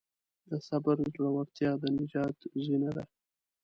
د صبر زړورتیا د نجات زینه ده.